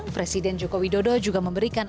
presiden joko widodo juga memberikan